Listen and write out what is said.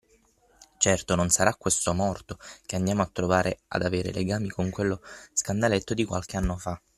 Certo non sarà questo morto che andiamo a trovare ad avere legami con quello scandaletto di qualche anno fa.